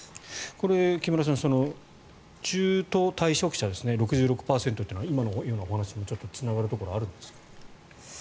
これ、木村さん中途退職者、６６％というのは今のお話にもつながるところはあるんですか。